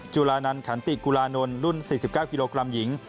จุลานันขันติกุลานนท์รุ่น๔๙กิโลกรัมหญิง